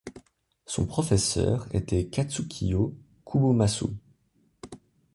Son professeur était Katsukiyo Kubomatsu.